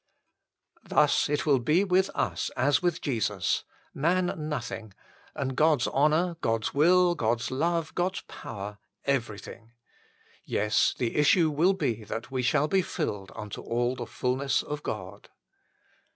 Thus it will be with us as with Jesus : man nothing, and God s honour, God s will, God s love, God s power, everything. Yes ; the issue will be that we shall be " filled unto all the fulness of God."